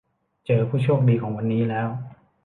เจอผู้โชคดีของวันนี้แล้ว